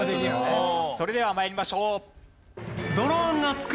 それでは参りましょう。